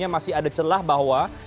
masih ada celah bahwa